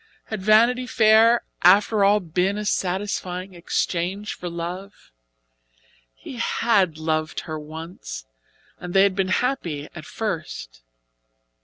Had Vanity Fair after all been a satisfying exchange for love? He had loved her once, and they had been happy at first.